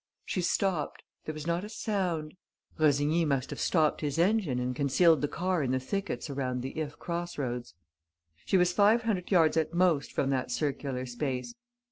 She stopped. There was not a sound. Rossigny must have stopped his engine and concealed the car in the thickets around the If cross roads. She was five hundred yards at most from that circular space.